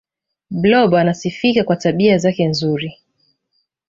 blob anasifika kwa tabia zake nzuri